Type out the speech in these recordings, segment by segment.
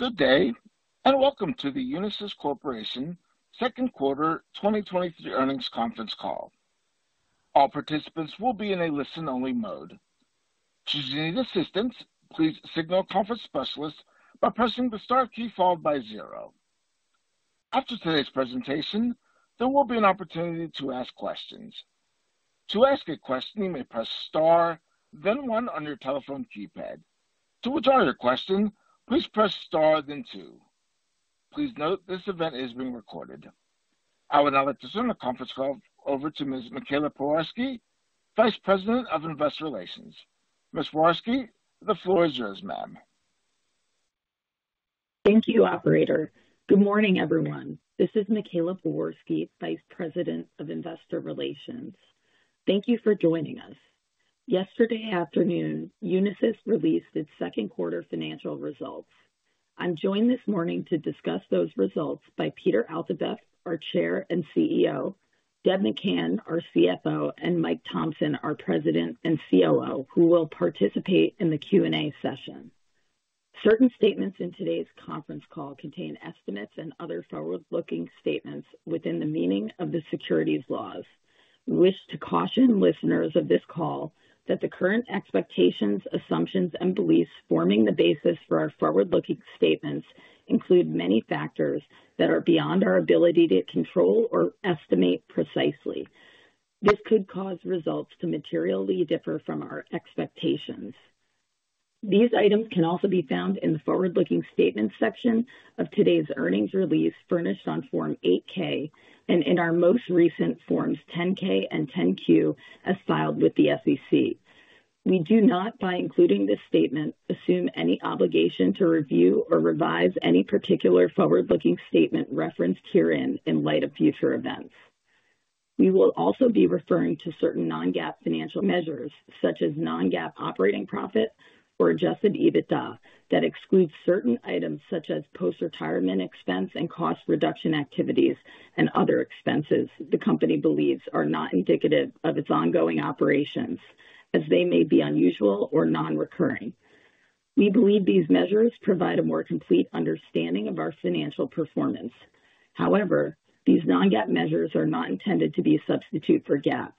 Good day, and welcome to the Unisys Corporation Second Quarter 2023 Earnings Conference Call. All participants will be in a listen-only mode. Should you need assistance, please signal a conference specialist by pressing the star key followed by zero. After today's presentation, there will be an opportunity to ask questions. To ask a question, you may press star, then one on your telephone keypad. To withdraw your question, please press star then two. Please note, this event is being recorded. I would now like to turn the conference call over to Ms. Michaela Pewarski, Vice President of Investor Relations. Ms. Pewarski, the floor is yours, ma'am. Thank you, operator. Good morning, everyone. This is Michaela Pewarski, Vice President of Investor Relations. Thank you for joining us. Yesterday afternoon, Unisys released its second quarter financial results. I'm joined this morning to discuss those results by Peter Altabef, our Chair and CEO, Deb McCann, our CFO, and Mike Thomson, our President and COO, who will participate in the Q&A session. Certain statements in today's conference call contain estimates and other forward-looking statements within the meaning of the securities laws. We wish to caution listeners of this call that the current expectations, assumptions, and beliefs forming the basis for our forward-looking statements include many factors that are beyond our ability to control or estimate precisely. This could cause results to materially differ from our expectations. These items can also be found in the forward-looking statements section of today's earnings release, furnished on Form 8-K, and in our most recent forms 10-K and 10-Q, as filed with the SEC. We do not, by including this statement, assume any obligation to review or revise any particular forward-looking statement referenced herein in light of future events. We will also be referring to certain non-GAAP financial measures, such as non-GAAP operating profit or adjusted EBITDA, that excludes certain items such as post-retirement expense and cost reduction activities and other expenses the company believes are not indicative of its ongoing operations, as they may be unusual or non-recurring. We believe these measures provide a more complete understanding of our financial performance. However, these non-GAAP measures are not intended to be a substitute for GAAP.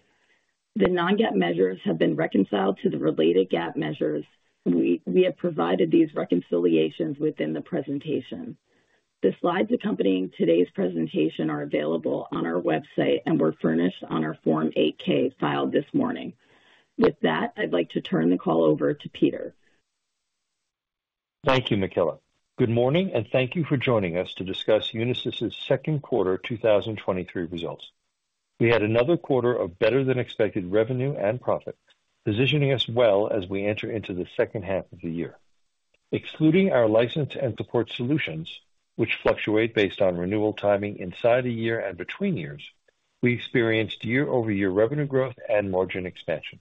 The non-GAAP measures have been reconciled to the related GAAP measures. We have provided these reconciliations within the presentation. The slides accompanying today's presentation are available on our website and were furnished on our Form 8-K filed this morning. With that, I'd like to turn the call over to Peter. Thank you, Michaela. Good morning, and thank you for joining us to discuss Unisys' Second Quarter 2023 Results. We had another quarter of better-than-expected revenue and profit, positioning us well as we enter into the second half of the year. Excluding our License and Support solutions, which fluctuate based on renewal timing inside a year and between years, we experienced year-over-year revenue growth and margin expansion.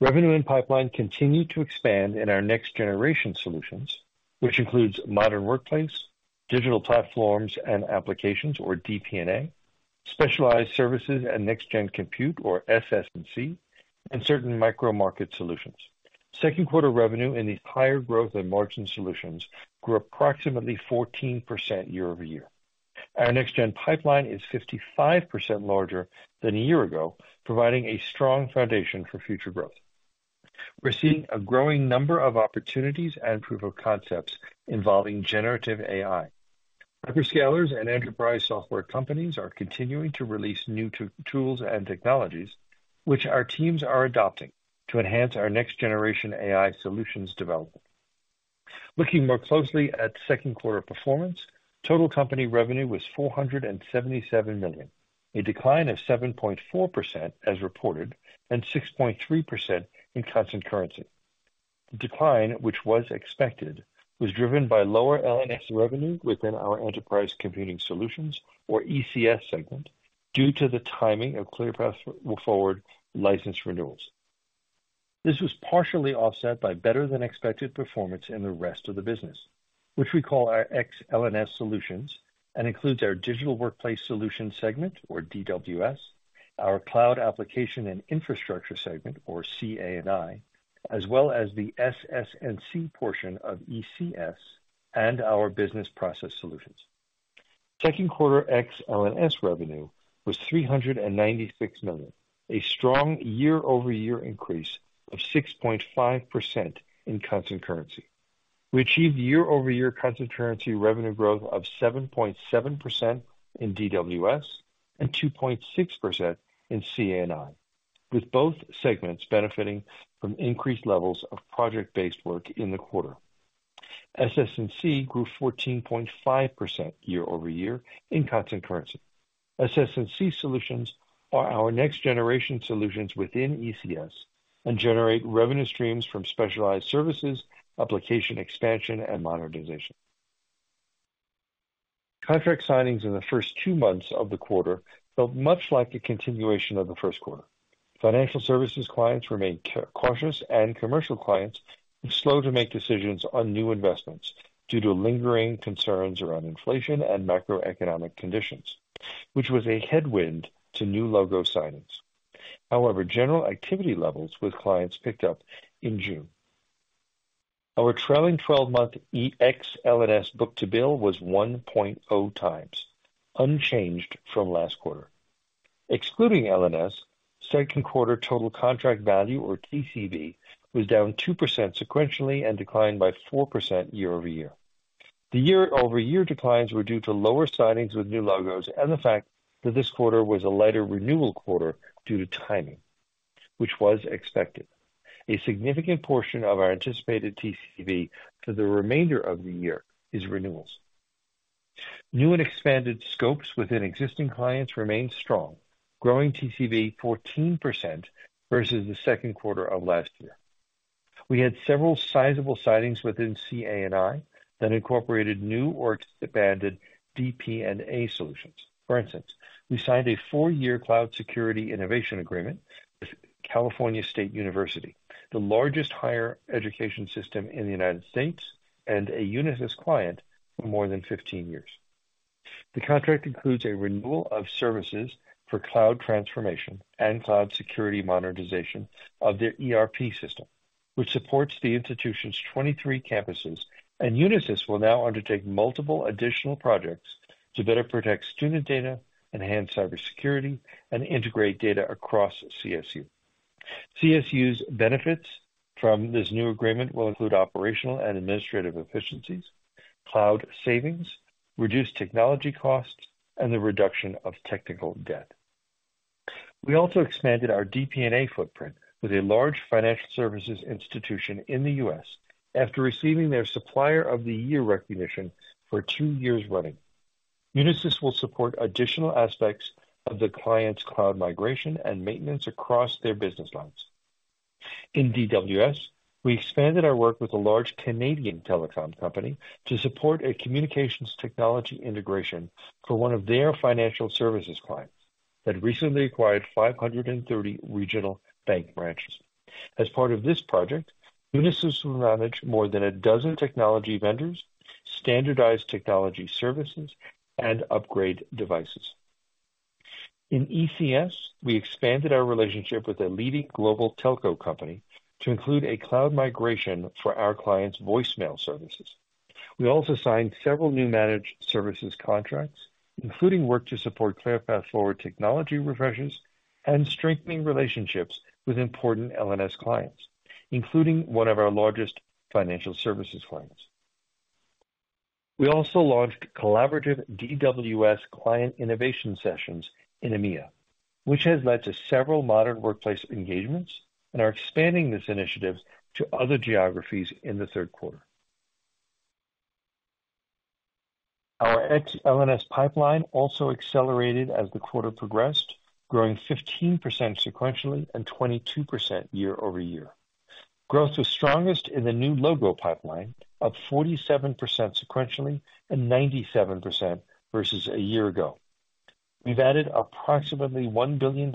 Revenue and pipeline continued to expand in our Next-Gen Solutions, which includes modern workplace, Digital Platforms and Applications, or DP&A, specialized services and Next Gen compute, or SS&C, and certain Micro-Market Solutions. Second quarter revenue in these higher growth and margin solutions grew approximately 14% year-over-year. Our Next-Gen pipeline is 55% larger than a year ago, providing a strong foundation for future growth. We're seeing a growing number of opportunities and proof of concepts involving generative AI. Hyperscalers and enterprise software companies are continuing to release new tools and technologies, which our teams are adopting to enhance our next generation AI solutions development. Looking more closely at second quarter performance, total company revenue was $477 million, a decline of 7.4% as reported, and 6.3% in constant currency. The decline, which was expected, was driven by lower L&S revenue within our enterprise computing solutions, or ECS segment, due to the timing of ClearPath Forward license renewals. This was partially offset by better-than-expected performance in the rest of the business, which we call our Ex-L&S Solutions and includes our Digital Workplace Solutions segment, or DWS, our Cloud, Applications & Infrastructure segment, or CA&I, as well as the SS&C portion of ECS and our Business Process Solutions. Second quarter Ex-L&S revenue was $396 million, a strong year-over-year increase of 6.5% in constant currency. We achieved year-over-year constant currency revenue growth of 7.7% in DWS and 2.6% in CA&I, with both segments benefiting from increased levels of project-based work in the quarter. SS&C grew 14.5% year-over-year in constant currency. SS&C solutions are our Next-Gen Solutions within ECS and generate revenue streams from specialized services, application expansion, and modernization. Contract signings in the first two months of the quarter felt much like a continuation of the first quarter. Financial services clients remained cautious. Commercial clients were slow to make decisions on new investments due to lingering concerns around inflation and macroeconomic conditions, which was a headwind to new logo signings. However, general activity levels with clients picked up in June. Our trailing 12-month ex-L&S book-to-bill was 1.0x, unchanged from last quarter. Excluding L&S, second quarter total contract value, or TCV, was down 2% sequentially and declined by 4% year-over-year. The year-over-year declines were due to lower signings with new logos and the fact that this quarter was a lighter renewal quarter due to timing, which was expected. A significant portion of our anticipated TCV for the remainder of the year is renewals. New and expanded scopes within existing clients remained strong, growing TCV 14% versus the second quarter of last year. We had several sizable signings within CA&I that incorporated new or expanded DP&A solutions. For instance, we signed a 4-year cloud security innovation agreement with California State University, the largest higher education system in the U.S., and a Unisys client for more than 15 years. The contract includes a renewal of services for cloud transformation and cloud security monetization of their ERP system, which supports the institution's 23 campuses. Unisys will now undertake multiple additional projects to better protect student data, enhance cybersecurity, and integrate data across CSU. CSU's benefits from this new agreement will include operational and administrative efficiencies, cloud savings, reduced technology costs, and the reduction of technical debt. We also expanded our DP&A footprint with a large financial services institution in the US after receiving their Supplier of the Year recognition for 2 years running. Unisys will support additional aspects of the client's cloud migration and maintenance across their business lines. In DWS, we expanded our work with a large Canadian telecom company to support a communications technology integration for one of their financial services clients that recently acquired 530 regional bank branches. As part of this project, Unisys will manage more than 12 technology vendors, standardized technology services, and upgrade devices. In ECS, we expanded our relationship with a leading global telco company to include a cloud migration for our clients' voicemail services. We also signed several new managed services contracts, including work to support ClearPath Forward technology refreshes and strengthening relationships with important L&S clients, including one of our largest financial services clients. We also launched collaborative DWS client innovation sessions in EMEA, which has led to several modern workplace engagements and are expanding this initiative to other geographies in the third quarter. Our Ex-L&S pipeline also accelerated as the quarter progressed, growing 15% sequentially and 22% year-over-year. Growth was strongest in the new logo pipeline, up 47% sequentially and 97% versus a year ago. We've added approximately $1 billion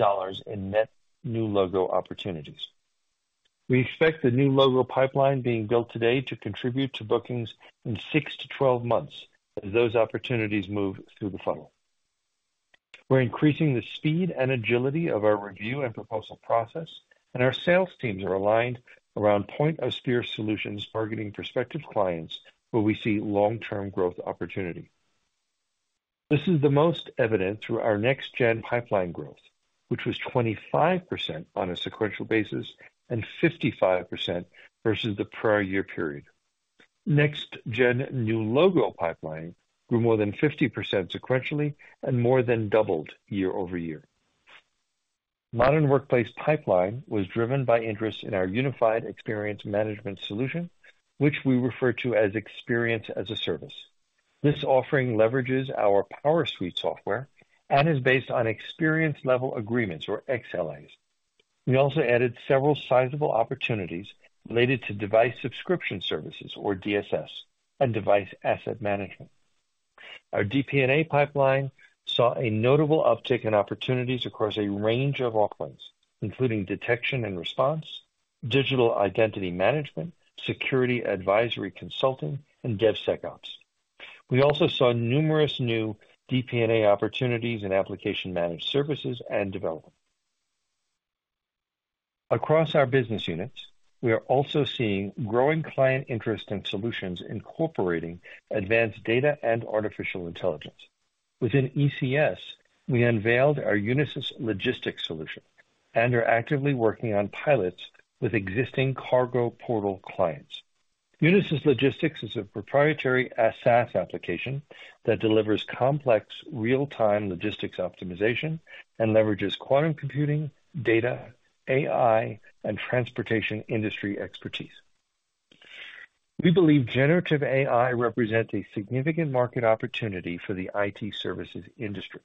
in net new logo opportunities. We expect the new logo pipeline being built today to contribute to bookings in 6-12 months as those opportunities move through the funnel. We're increasing the speed and agility of our review and proposal process. Our sales teams are aligned around point of spear solutions targeting prospective clients where we see long-term growth opportunity. This is the most evident through our Next-Gen pipeline growth, which was 25% on a sequential basis and 55% versus the prior year period. Next-Gen new logo pipeline grew more than 50% sequentially and more than doubled year-over-year. Modern workplace pipeline was driven by interest in our Unified Experience Management solution, which we refer to as Experience as a Service. This offering leverages our PowerSuite software and is based on Experience Level Agreements, or XLAs. We also added several sizable opportunities related to device subscription services, or DSS, and device asset management. Our DP&A pipeline saw a notable uptick in opportunities across a range of offerings, including detection and response, digital identity management, security advisory consulting, and DevSecOps. We also saw numerous new DP&A opportunities in application managed services and development. Across our business units, we are also seeing growing client interest in solutions incorporating advanced data and artificial intelligence. Within ECS, we unveiled our Unisys Logistics solution and are actively working on pilots with existing cargo portal clients. Unisys Logistics is a proprietary SaaS application that delivers complex, real-time logistics optimization and leverages quantum computing, data, AI, and transportation industry expertise. We believe generative AI represents a significant market opportunity for the IT services industry.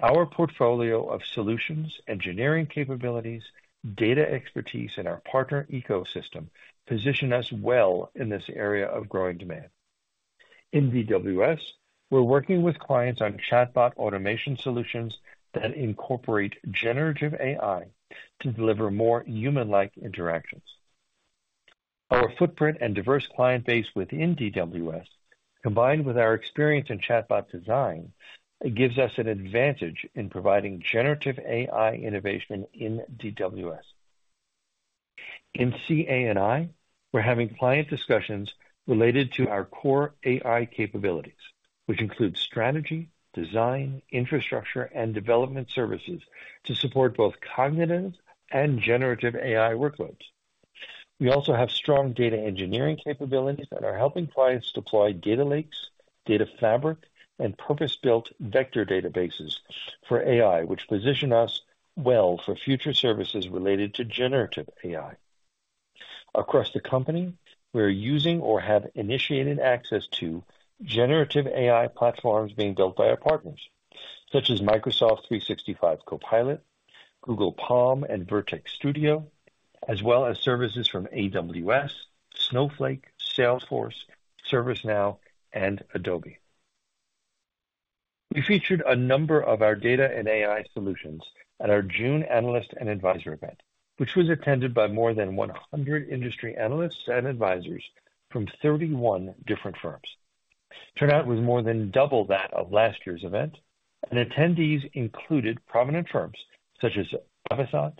Our portfolio of solutions, engineering capabilities, data expertise, and our partner ecosystem position us well in this area of growing demand. In DWS, we're working with clients on chatbot automation solutions that incorporate generative AI to deliver more human-like interactions. Our footprint and diverse client base within DWS, combined with our experience in chatbot design, gives us an advantage in providing generative AI innovation in DWS. In CA&I, we're having client discussions related to our core AI capabilities, which include strategy, design, infrastructure, and development services to support both cognitive and generative AI workloads. We also have strong data engineering capabilities that are helping clients deploy data lakes, data fabric, and purpose-built vector databases for AI, which position us well for future services related to generative AI. Across the company, we are using or have initiated access to generative AI platforms being built by our partners, such as Microsoft 365 Copilot, Google PaLM, and Vertex AI Studio, as well as services from AWS, Snowflake, Salesforce, ServiceNow, and Adobe. We featured a number of our data and AI solutions at our June Analyst and Advisor event, which was attended by more than 100 industry analysts and advisors from 31 different firms. Turnout was more than double that of last year's event, attendees included prominent firms such as Avasant,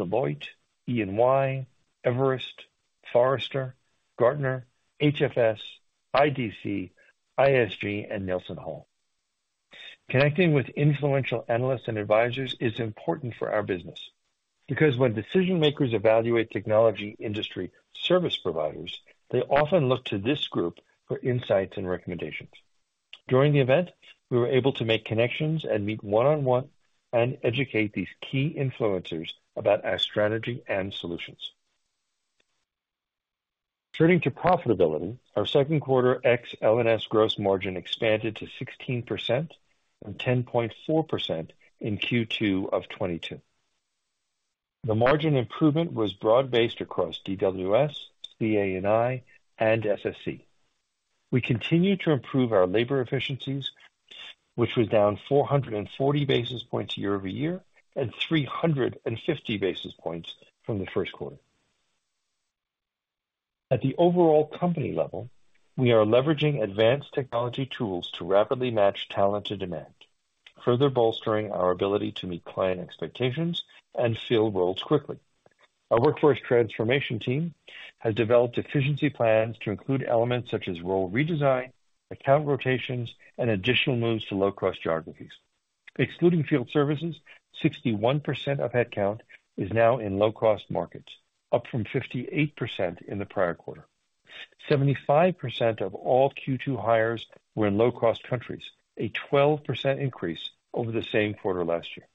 Deloitte, EY, Everest, Forrester, Gartner, HFS, IDC, ISG, and NelsonHall. Connecting with influential analysts and advisors is important for our business, because when decision-makers evaluate technology industry service providers, they often look to this group for insights and recommendations. During the event, we were able to make connections and meet one-on-one and educate these key influencers about our strategy and solutions. Turning to profitability, our second quarter Ex-L&S gross margin expanded to 16%, 10.4% in Q2 of 2022. The margin improvement was broad-based across DWS, CA&I, and SS&C. We continue to improve our labor efficiencies, which was down 440 basis points year-over-year, and 350 basis points from the first quarter. At the overall company level, we are leveraging advanced technology tools to rapidly match talent to demand, further bolstering our ability to meet client expectations and fill roles quickly. Our workforce transformation team has developed efficiency plans to include elements such as role redesign, account rotations, and additional moves to low-cost geographies. Excluding field services, 61% of headcount is now in low-cost markets, up from 58% in the prior quarter. 75% of all Q2 hires were in low-cost countries, a 12% increase over the same quarter last year.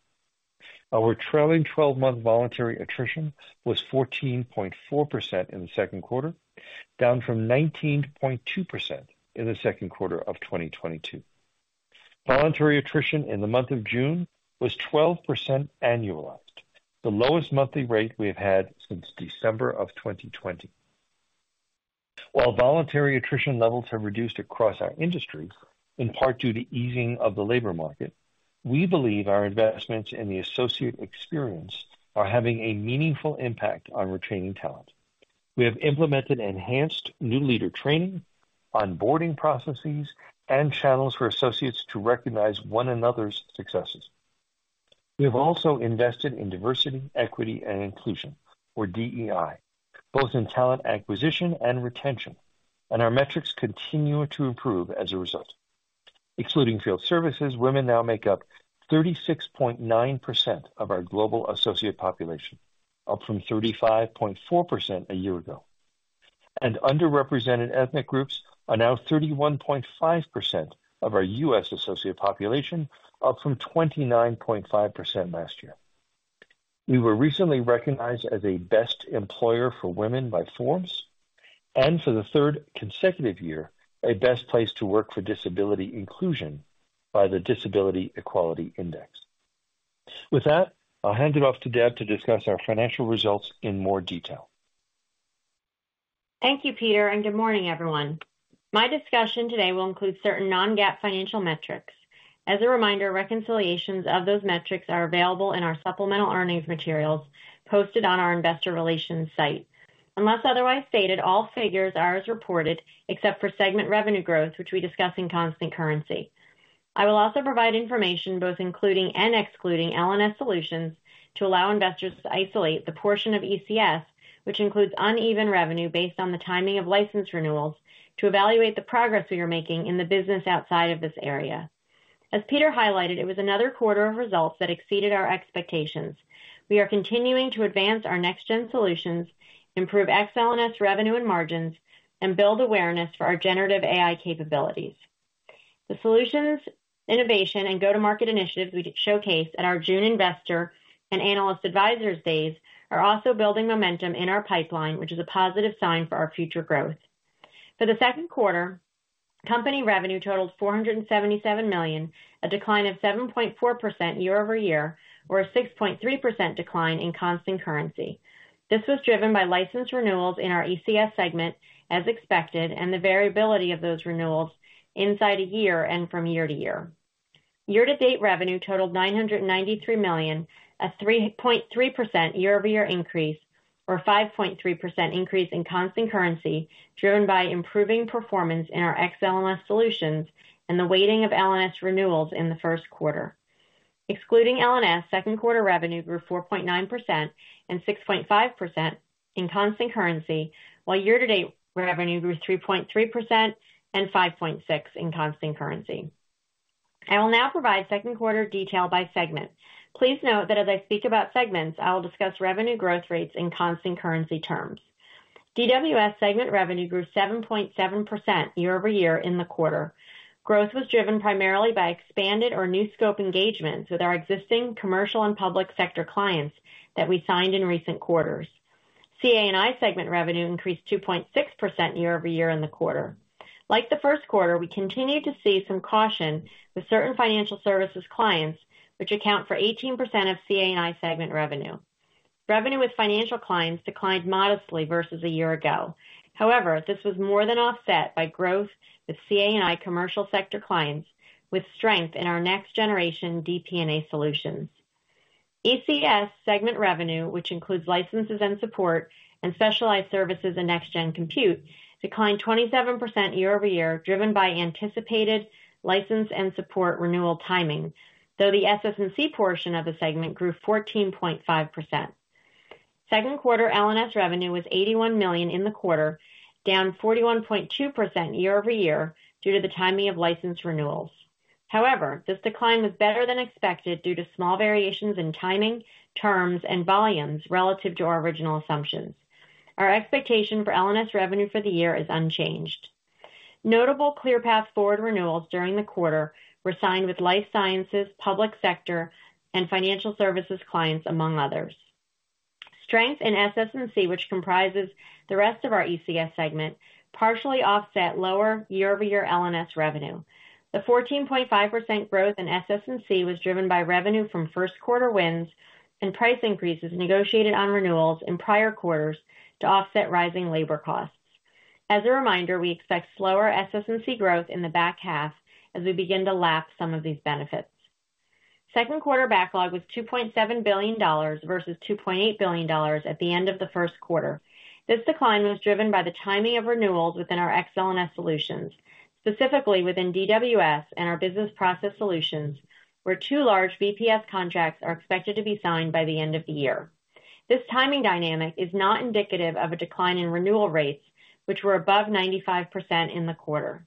Our trailing 12-month voluntary attrition was 14.4% in the second quarter, down from 19.2% in the second quarter of 2022. Voluntary attrition in the month of June was 12% annualized, the lowest monthly rate we have had since December of 2020. While voluntary attrition levels have reduced across our industry, in part due to easing of the labor market, we believe our investments in the associate experience are having a meaningful impact on retaining talent. We have implemented enhanced new leader training, onboarding processes, and channels for associates to recognize one another's successes. We have also invested in diversity, equity, and inclusion, or DEI, both in talent acquisition and retention. Our metrics continue to improve as a result. Excluding field services, women now make up 36.9% of our global associate population, up from 35.4% a year ago. Underrepresented ethnic groups are now 31.5% of our U.S. associate population, up from 29.5% last year. We were recently recognized as a best employer for women by Forbes, and for the third consecutive year, a best place to work for disability inclusion by the Disability Equality Index. With that, I'll hand it off to Deb to discuss our financial results in more detail. Thank you, Peter. Good morning, everyone. My discussion today will include certain non-GAAP financial metrics. As a reminder, reconciliations of those metrics are available in our supplemental earnings materials posted on our investor relations site. Unless otherwise stated, all figures are as reported, except for segment revenue growth, which we discuss in constant currency. I will also provide information both including and excluding L&S solutions, to allow investors to isolate the portion of ECS, which includes uneven revenue based on the timing of license renewals, to evaluate the progress we are making in the business outside of this area. As Peter highlighted, it was another quarter of results that exceeded our expectations. We are continuing to advance our Next-Gen Solutions, improve Ex-L&S revenue and margins, and build awareness for our generative AI capabilities. The solutions, innovation, and go-to-market initiatives we showcase at our June Investor and Analyst Advisors Days are also building momentum in our pipeline, which is a positive sign for our future growth. For the second quarter, company revenue totaled $477 million, a decline of 7.4% year-over-year, or a 6.3% decline in constant currency. This was driven by license renewals in our ECS segment, as expected, and the variability of those renewals inside a year and from year-to-year. Year-to-date revenue totaled $993 million, a 3.3% year-over-year increase, or 5.3% increase in constant currency, driven by improving performance in our Ex-L&S solutions and the weighting of L&S renewals in the first quarter. Excluding L&S, second quarter revenue grew 4.9% and 6.5% in constant currency, while year-to-date revenue grew 3.3% and 5.6 in constant currency. I will now provide second quarter detail by segment. Please note that as I speak about segments, I will discuss revenue growth rates in constant currency terms. DWS segment revenue grew 7.7% year-over-year in the quarter. Growth was driven primarily by expanded or new scope engagements with our existing commercial and public sector clients that we signed in recent quarters. CA&I segment revenue increased 2.6% year-over-year in the quarter. Like the first quarter, we continued to see some caution with certain financial services clients, which account for 18% of CA&I segment revenue. Revenue with financial clients declined modestly versus a year ago. This was more than offset by growth with CA&I commercial sector clients, with strength in our next generation DP&A solutions. ECS segment revenue, which includes licenses and support and specialized services in next gen compute, declined 27% year-over-year, driven by anticipated license and support renewal timing, though the SS&C portion of the segment grew 14.5%. Second quarter L&S revenue was $81 million in the quarter, down 41.2% year-over-year, due to the timing of license renewals. This decline was better than expected due to small variations in timing, terms, and volumes relative to our original assumptions. Our expectation for L&S revenue for the year is unchanged. Notable ClearPath Forward renewals during the quarter were signed with life sciences, public sector, and financial services clients, among others. Strength in SS&C, which comprises the rest of our ECS segment, partially offset lower year-over-year L&S revenue. The 14.5% growth in SS&C was driven by revenue from first quarter wins and price increases negotiated on renewals in prior quarters to offset rising labor costs. As a reminder, we expect slower SS&C growth in the back half as we begin to lap some of these benefits. Second quarter backlog was $2.7 billion versus $2.8 billion at the end of the first quarter. This decline was driven by the timing of renewals within our Ex-L&S solutions, specifically within DWS and our business process solutions, where 2 large BPS contracts are expected to be signed by the end of the year. This timing dynamic is not indicative of a decline in renewal rates, which were above 95% in the quarter.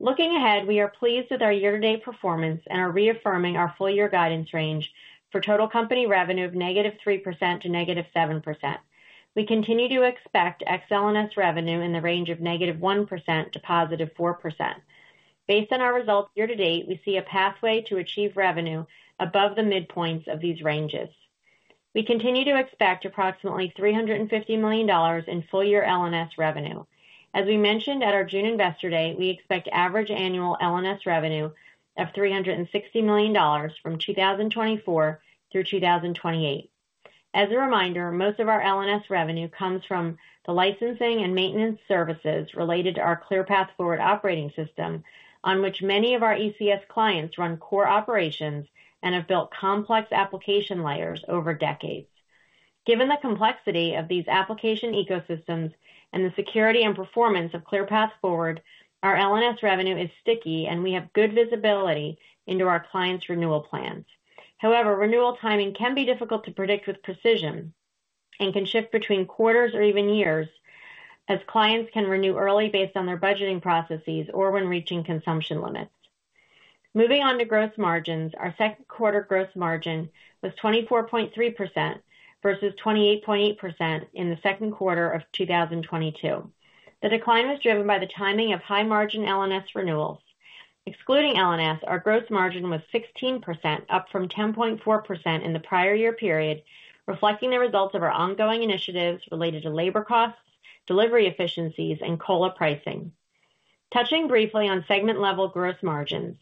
Looking ahead, we are pleased with our year-to-date performance and are reaffirming our full year guidance range for total company revenue of -3% to -7%. We continue to expect Ex-L&S revenue in the range of -1% to +4%. Based on our results year-to-date, we see a pathway to achieve revenue above the midpoints of these ranges. We continue to expect approximately $350 million in full year L&S revenue. As we mentioned at our June Investor Day, we expect average annual L&S revenue of $360 million from 2024 through 2028. As a reminder, most of our L&S revenue comes from the licensing and maintenance services related to our ClearPath Forward operating system, on which many of our ECS clients run core operations and have built complex application layers over decades. Given the complexity of these application ecosystems and the security and performance of ClearPath Forward, our L&S revenue is sticky, and we have good visibility into our clients' renewal plans. Renewal timing can be difficult to predict with precision and can shift between quarters or even years, as clients can renew early based on their budgeting processes or when reaching consumption limits. Moving on to gross margins. Our second quarter gross margin was 24.3% versus 28.8% in the second quarter of 2022. The decline was driven by the timing of high margin L&S renewals. Excluding L&S, our gross margin was 16%, up from 10.4% in the prior year period, reflecting the results of our ongoing initiatives related to labor costs, delivery efficiencies, and COLA pricing. Touching briefly on segment level gross margins.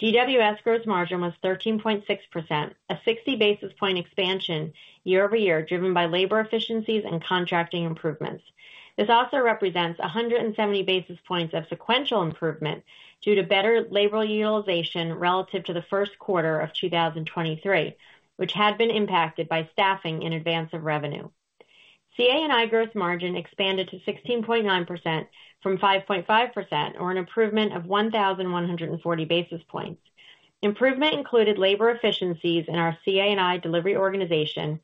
DWS gross margin was 13.6%, a 60 basis point expansion year-over-year, driven by labor efficiencies and contracting improvements. This also represents 170 basis points of sequential improvement due to better labor utilization relative to the first quarter of 2023, which had been impacted by staffing in advance of revenue. CA&I gross margin expanded to 16.9% from 5.5%, or an improvement of 1,140 basis points. Improvement included labor efficiencies in our CA&I delivery organization.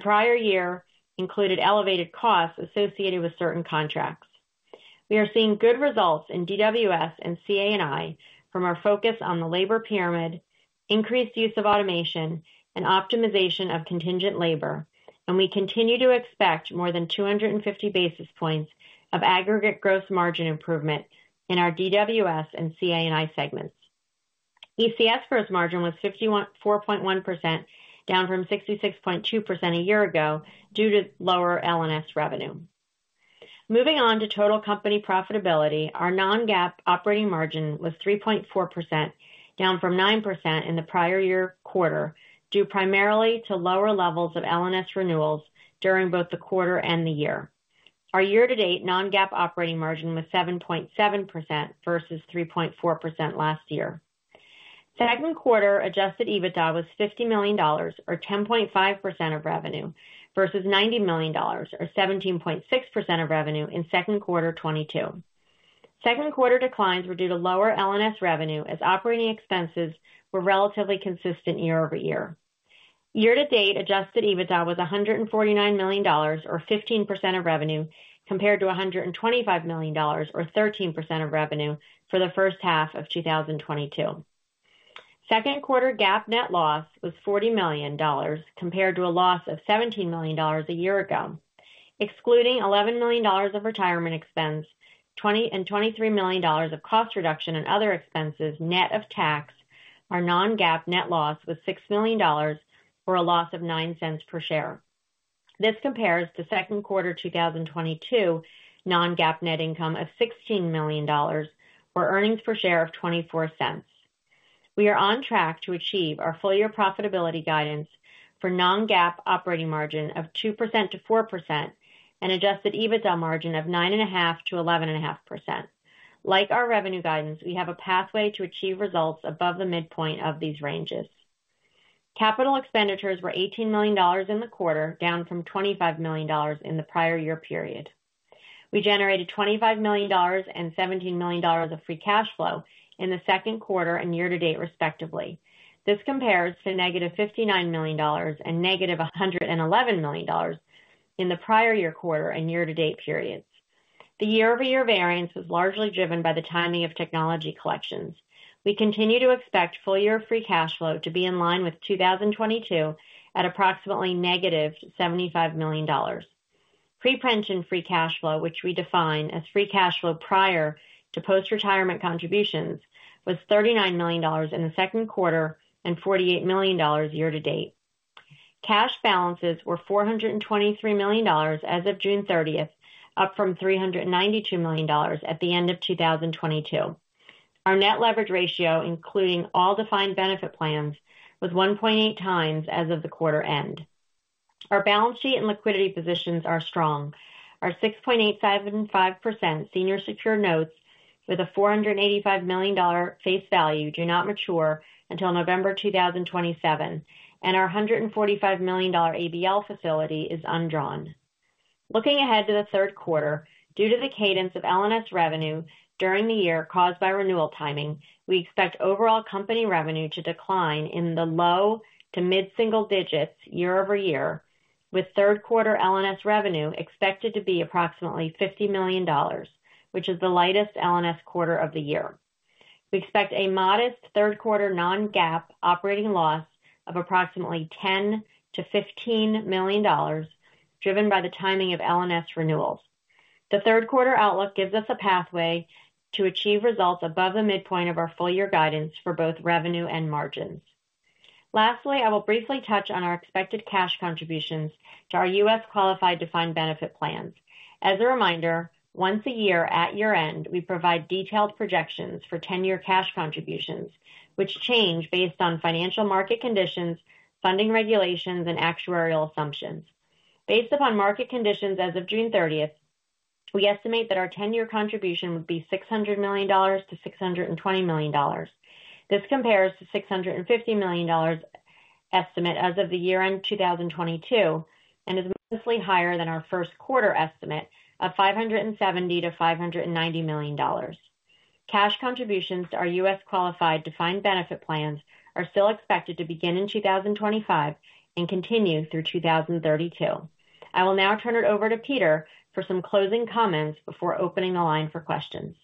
Prior year included elevated costs associated with certain contracts. We are seeing good results in DWS and CA&I from our focus on the labor pyramid, increased use of automation, and optimization of contingent labor. We continue to expect more than 250 basis points of aggregate gross margin improvement in our DWS and CA&I segments. ECS gross margin was 4.1%, down from 66.2% a year ago, due to lower L&S revenue. Moving on to total company profitability. Our non-GAAP operating margin was 3.4%, down from 9% in the prior year quarter, due primarily to lower levels of L&S renewals during both the quarter and the year. Our year-to-date non-GAAP operating margin was 7.7% versus 3.4% last year. Second quarter adjusted EBITDA was $50 million, or 10.5% of revenue, versus $90 million, or 17.6% of revenue in Second quarter 2022. Second quarter declines were due to lower L&S revenue as operating expenses were relatively consistent year-over-year. Year-to-date adjusted EBITDA was $149 million, or 15% of revenue, compared to $125 million, or 13% of revenue, for the first half of 2022. Second quarter GAAP net loss was $40 million, compared to a loss of $17 million a year ago. Excluding $11 million of retirement expense, $20 million and $23 million of cost reduction and other expenses, net of tax, our non-GAAP net loss was $6 million, or a loss of $0.09 per share. This compares to second quarter 2022 non-GAAP net income of $16 million, or earnings per share of $0.24. We are on track to achieve our full year profitability guidance for non-GAAP operating margin of 2%-4% and adjusted EBITDA margin of 9.5%-11.5%. Like our revenue guidance, we have a pathway to achieve results above the midpoint of these ranges. Capital expenditures were $18 million in the quarter, down from $25 million in the prior year period. We generated $25 million and $17 million of free cash flow in the second quarter and year-to-date, respectively. This compares to negative $59 million and negative $111 million in the prior year quarter and year-to-date periods. The year-over-year variance was largely driven by the timing of technology collections. We continue to expect full year free cash flow to be in line with 2022 at approximately -$75 million. Pre-pension free cash flow, which we define as free cash flow prior to postretirement contributions, was $39 million in the second quarter and $48 million year to date. Cash balances were $423 million as of June 30th, up from $392 million at the end of 2022. Our net leverage ratio, including all defined benefit plans, was 1.8x as of the quarter end. Our balance sheet and liquidity positions are strong. Our 6.85% senior secured notes with a $485 million face value do not mature until November 2027, and our $145 million ABL facility is undrawn. Looking ahead to the third quarter, due to the cadence of L&S revenue during the year caused by renewal timing, we expect overall company revenue to decline in the low to mid-single digits year-over-year, with third quarter L&S revenue expected to be approximately $50 million, which is the lightest L&S quarter of the year. We expect a modest third quarter non-GAAP operating loss of approximately $10 million-$15 million, driven by the timing of L&S renewals. The third quarter outlook gives us a pathway to achieve results above the midpoint of our full year guidance for both revenue and margins. Lastly, I will briefly touch on our expected cash contributions to our US qualified defined benefit plans. As a reminder, once a year at year-end, we provide detailed projections for ten-year cash contributions, which change based on financial market conditions, funding regulations, and actuarial assumptions. Based upon market conditions as of June 30th, we estimate that our ten-year contribution would be $600 million-$620 million. This compares to $650 million estimate as of the year-end 2022, and is mostly higher than our first quarter estimate of $570 million-$590 million. Cash contributions to our US qualified defined benefit plans are still expected to begin in 2025 and continue through 2032. I will now turn it over to Peter for some closing comments before opening the line for questions.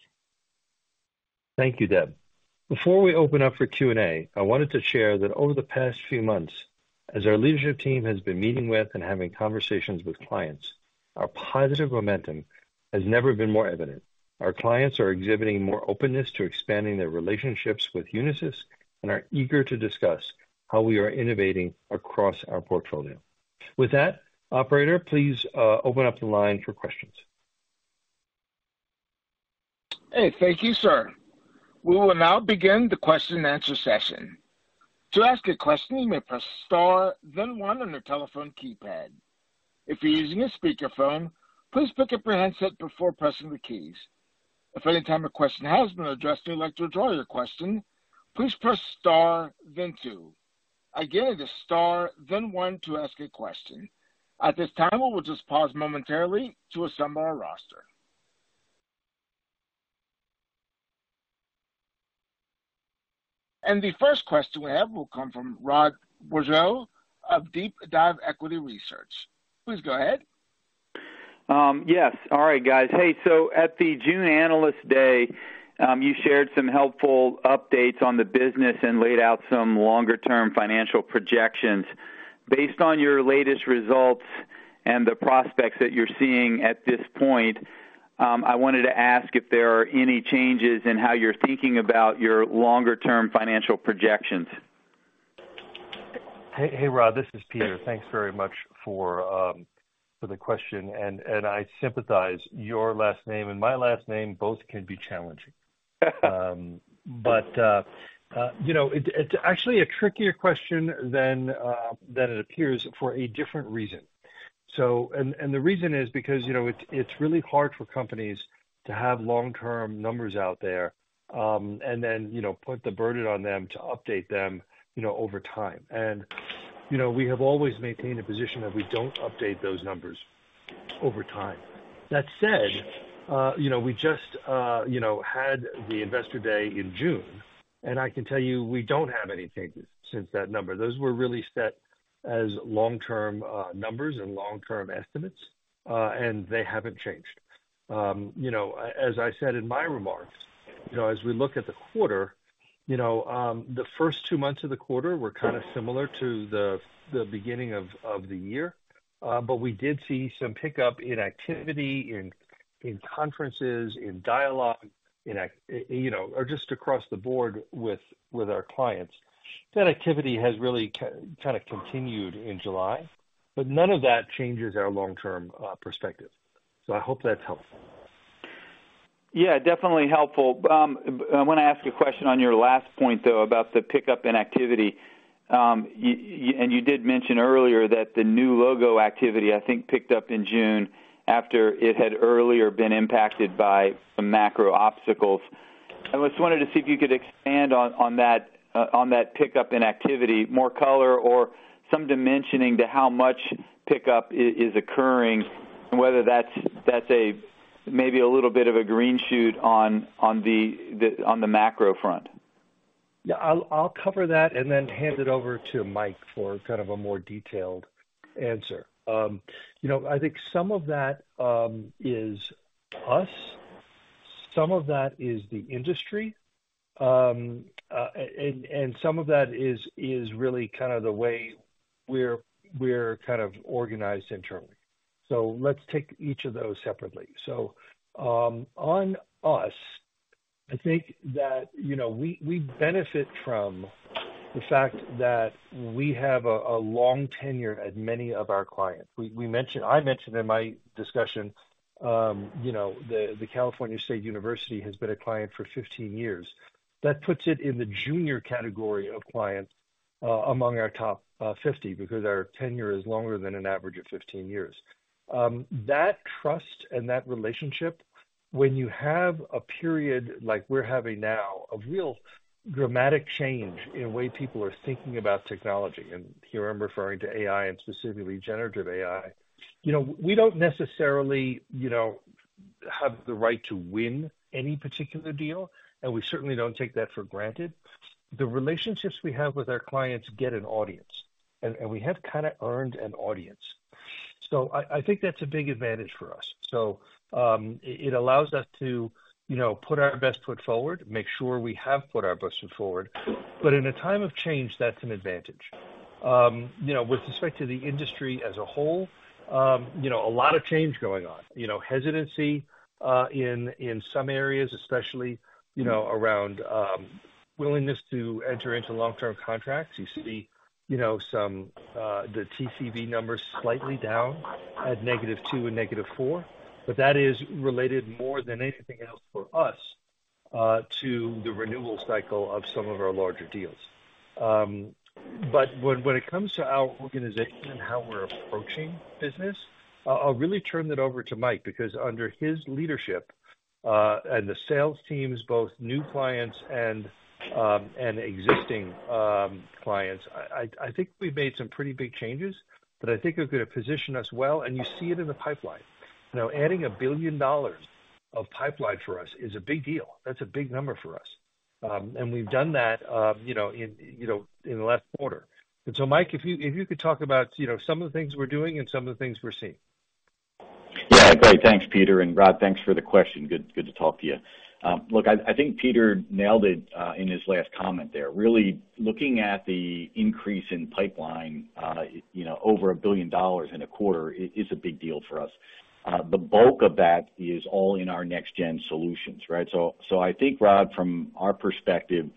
Thank you, Deb. Before we open up for Q&A, I wanted to share that over the past few months, as our leadership team has been meeting with and having conversations with clients, our positive momentum has never been more evident. Our clients are exhibiting more openness to expanding their relationships with Unisys and are eager to discuss how we are innovating across our portfolio. With that, operator, please open up the line for questions. Hey, thank you, sir. We will now begin the question and answer session. To ask a question, you may press star then one on your telephone keypad. If you're using a speakerphone, please pick up your handset before pressing the keys. If any time a question has been addressed, and you'd like to withdraw your question, please press star then two. Again, it is star, then one to ask a question. At this time, we will just pause momentarily to assemble our roster. The first question we have will come from Rod Bourgeois of DeepDive Equity Research. Please go ahead. Yes. All right, guys. Hey, at the June Analyst Day, you shared some helpful updates on the business and laid out some longer term financial projections. Based on your latest results and the prospects that you're seeing at this point, I wanted to ask if there are any changes in how you're thinking about your longer term financial projections. Hey, hey, Rod, this is Peter. Thanks very much for the question, I sympathize. Your last name and my last name both can be challenging. You know, it's actually a trickier question than it appears for a different reason. The reason is because, you know, it's really hard for companies to have long-term numbers out there, and then, you know, put the burden on them to update them, you know, over time. You know, we have always maintained a position that we don't update those numbers over time. That said, you know, we just, you know, had the Investor Day in June, I can tell you, we don't have any changes since that number. Those were really set as long-term numbers and long-term estimates, they haven't changed. You know, as I said in my remarks, you know, as we look at the quarter, you know, the first two months of the quarter were kind of similar to the beginning of the year. We did see some pickup in activity, in conferences, in dialogue, you know, or just across the board with our clients. That activity has really kind of continued in July, but none of that changes our long-term perspective. I hope that's helpful. Yeah, definitely helpful. I want to ask a question on your last point, though, about the pickup in activity. And you did mention earlier that the new logo activity, I think, picked up in June after it had earlier been impacted by some macro obstacles. I just wanted to see if you could expand on, on that pickup in activity, more color or some dimensioning to how much pickup is occurring, and whether that's, that's a maybe a little bit of a green shoot on the macro front. Yeah, I'll, I'll cover that and then hand it over to Mike for kind of a more detailed answer. You know, I think some of that is us, some of that is the industry, and some of that is really kind of the way we're, we're kind of organized internally. Let's take each of those separately. On us, I think that, you know, we, we benefit from the fact that we have a long tenure at many of our clients. I mentioned in my discussion, you know, the California State University has been a client for 15 years. That puts it in the junior category of clients among our top 50, because our tenure is longer than an average of 15 years. That trust and that relationship, when you have a period like we're having now, a real dramatic change in the way people are thinking about technology, and here I'm referring to AI and specifically generative AI. You know, we don't necessarily, you know, have the right to win any particular deal, and we certainly don't take that for granted. The relationships we have with our clients get an audience, and we have kind of earned an audience. I, I think that's a big advantage for us. It, it allows us to, you know, put our best foot forward, make sure we have put our best foot forward. In a time of change, that's an advantage. You know, with respect to the industry as a whole, you know, a lot of change going on. You know, hesitancy in some areas, especially, you know, around willingness to enter into long-term contracts. You see, you know, some, the TCV numbers slightly down at -2% and -4%, but that is related more than anything else for us to the renewal cycle of some of our larger deals. But when it comes to our organization and how we're approaching business, I'll really turn that over to Mike, because under his leadership and the sales teams, both new clients and existing clients, I think we've made some pretty big changes that I think are going to position us well, and you see it in the pipeline. You know, adding $1 billion of pipeline for us is a big deal. That's a big number for us. We've done that, you know, in, you know, in the last quarter. Mike, if you, if you could talk about, you know, some of the things we're doing and some of the things we're seeing. Yeah. Great. Thanks, Peter, and Rod, thanks for the question. Good, good to talk to you. Look, I, I think Peter nailed it in his last comment there. Really looking at the increase in pipeline, you know, over $1 billion in a quarter is a big deal for us. The bulk of that is all in our Next-Gen Solutions, right? I think, Rod, from our perspective,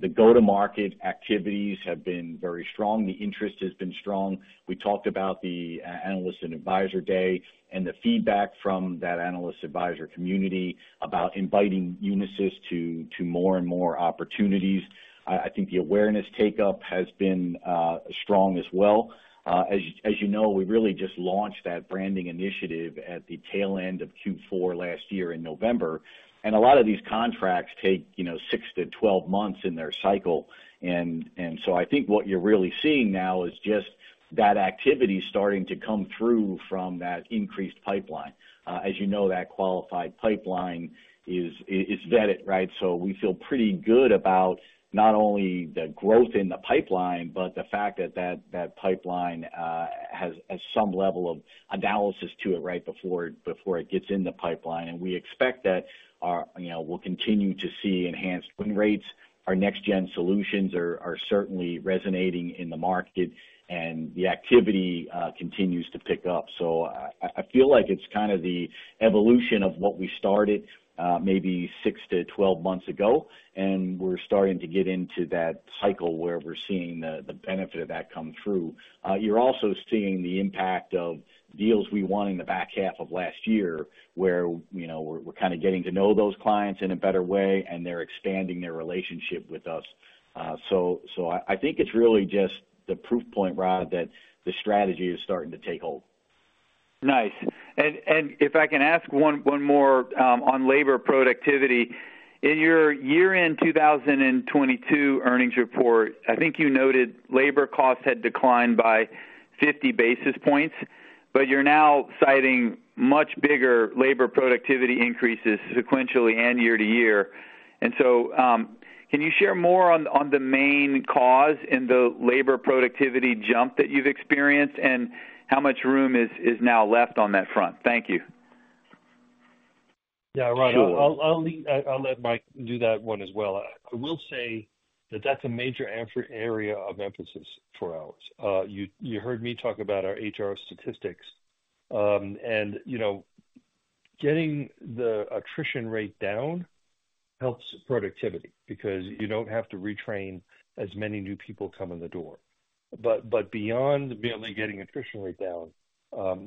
the go-to-market activities have been very strong. The interest has been strong. We talked about the analyst and advisor day, and the feedback from that analyst-advisor community about inviting Unisys to more and more opportunities. I, I think the awareness take-up has been strong as well. As you know, we really just launched that branding initiative at the tail end of Q4 last year in November, a lot of these contracts take, you know, 6-12 months in their cycle. So I think what you're really seeing now is just that activity starting to come through from that increased pipeline. As you know, that qualified pipeline is, is vetted, right? So we feel pretty good about not only the growth in the pipeline, but the fact that pipeline has some level of analysis to it right before it gets in the pipeline. We expect that, you know, we'll continue to see enhanced win rates. Our Next-Gen Solutions are, are certainly resonating in the market, the activity continues to pick up. I, I feel like it's kind of the evolution of what we started, maybe 6 to 12 months ago, and we're starting to get into that cycle where we're seeing the, the benefit of that come through. You're also seeing the impact of deals we won in the back half of last year, where, you know, we're, we're kind of getting to know those clients in a better way, and they're expanding their relationship with us. So I, I think it's really just the proof point, Rod, that the strategy is starting to take hold.... Nice. If I can ask one, one more, on labor productivity. In your year-end 2022 earnings report, I think you noted labor costs had declined by 50 basis points, but you're now citing much bigger labor productivity increases sequentially and year-to-year. Can you share more on the main cause in the labor productivity jump that you've experienced, and how much room is now left on that front? Thank you. Yeah, Rod, I'll let Mike do that one as well. I will say that that's a major answer area of emphasis for ours. You, you heard me talk about our HR statistics. You know, getting the attrition rate down helps productivity because you don't have to retrain as many new people come in the door. But beyond merely getting attrition rate down,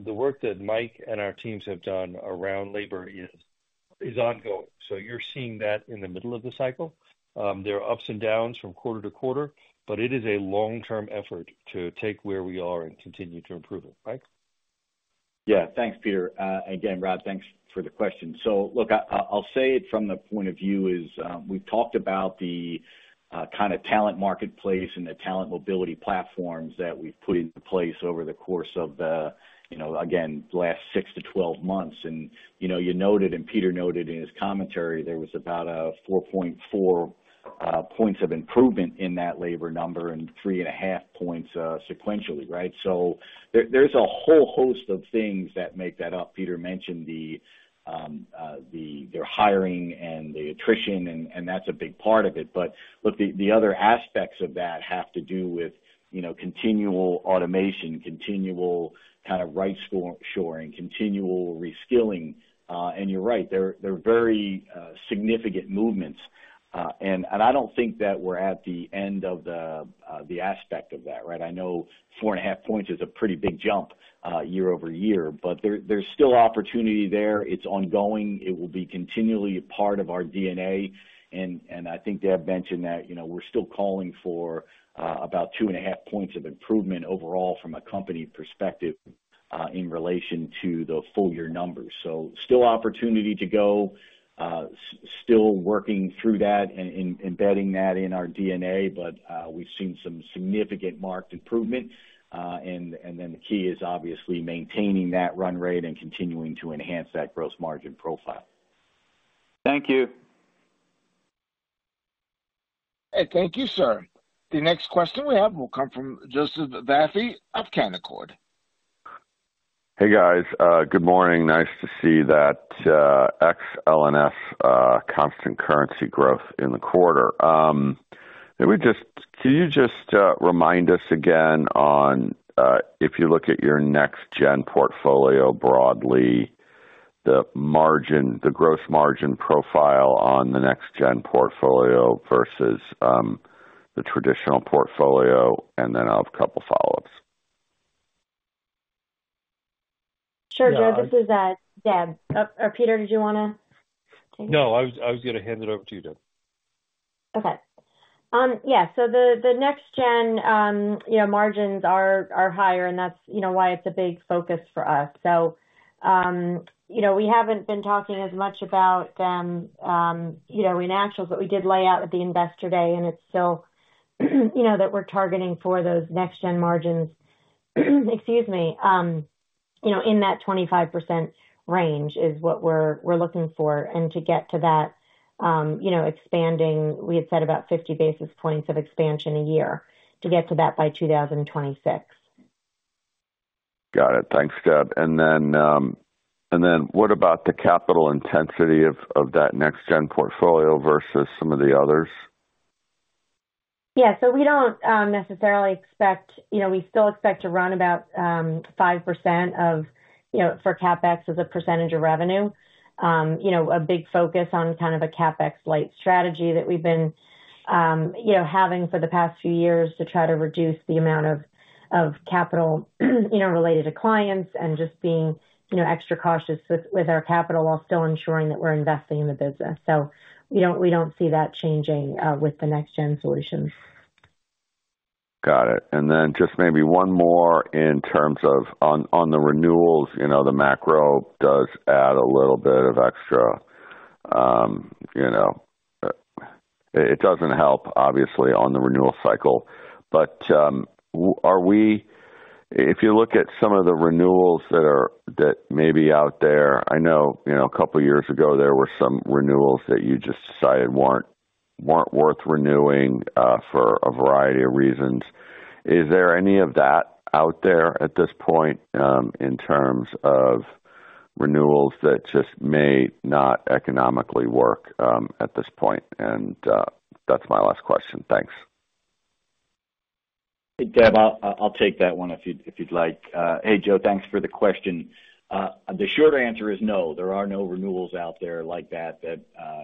the work that Mike and our teams have done around labor is, is ongoing. You're seeing that in the middle of the cycle. There are ups and downs from quarter to quarter, but it is a long-term effort to take where we are and continue to improve it. Mike? Yeah. Thanks, Peter. Again, Rod, thanks for the question. Look, I, I'll say it from the point of view is, we've talked about the kind of talent marketplace and the talent mobility platforms that we've put into place over the course of the, you know, again, last 6-12 months. You know, you noted and Peter noted in his commentary, there was about a 4.4 points of improvement in that labor number and 3.5 points sequentially, right? There, there's a whole host of things that make that up. Peter mentioned the, the, their hiring and the attrition, and, and that's a big part of it. But the, the other aspects of that have to do with, you know, continual automation, continual kind of right-shoring, continual reskilling. You're right, they're very significant movements. I don't think that we're at the end of the aspect of that, right? I know 4.5 points is a pretty big jump year-over-year, but there's still opportunity there. It's ongoing. It will be continually a part of our DNA, and I think Deb mentioned that, you know, we're still calling for about 2.5 points of improvement overall from a company perspective, in relation to the full year numbers. Still opportunity to go, still working through that and embedding that in our DNA, but we've seen some significant marked improvement. The key is obviously maintaining that run rate and continuing to enhance that gross margin profile. Thank you. Thank you, sir. The next question we have will come from Joseph Vafi of Canaccord. Hey, guys. Good morning. Nice to see that, Ex-L&S, constant currency growth in the quarter. Maybe just, can you just remind us again on, if you look at your next gen portfolio broadly, the margin, the gross margin profile on the next gen portfolio versus the traditional portfolio, and then I'll have a couple follow ups. Sure, Joe. This is Deb. Peter, did you wanna take it? No, I was gonna hand it over to you, Deb. Okay. Yeah, the next gen, you know, margins are higher, and that's, you know, why it's a big focus for us. You know, we haven't been talking as much about them, you know, in nationals, but we did lay out at the Investor Day, and it's still, you know, that we're targeting for those next gen margins, excuse me, you know, in that 25% range is what we're, we're looking for. To get to that, you know, expanding, we had said about 50 basis points of expansion a year to get to that by 2026. Got it. Thanks, Deb. What about the capital intensity of, of that next gen portfolio versus some of the others? Yeah, we don't necessarily expect, you know, we still expect to run about 5% of, you know, for CapEx as a percentage of revenue. You know, a big focus on kind of a CapEx-like strategy that we've been, you know, having for the past few years to try to reduce the amount of, of capital, you know, related to clients and just being, you know, extra cautious with, with our capital while still ensuring that we're investing in the business. We don't, we don't see that changing with the Next-Gen Solutions. Got it. Then just maybe 1 more in terms of on, on the renewals. You know, the macro does add a little bit of extra, you know, it doesn't help, obviously, on the renewal cycle, but If you look at some of the renewals that are, that may be out there, I know, you know, a couple of years ago, there were some renewals that you just decided weren't, weren't worth renewing, for a variety of reasons. Is there any of that out there at this point, in terms of renewals that just may not economically work, at this point? That's my last question. Thanks. Hey, Deb, I'll, I'll take that one if you'd, if you'd like. Hey, Joe, thanks for the question. The short answer is no, there are no renewals out there like that, that,